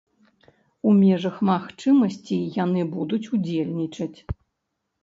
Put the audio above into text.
У межах магчымасці яны будуць удзельнічаць.